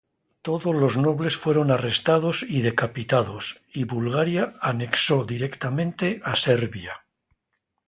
Todos los nobles fueron arrestados y decapitados y Bulgaria anexó directamente a Serbia.